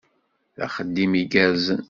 D axeddim igerrzen!